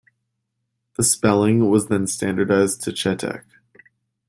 The spelling was then standardized to Chetek.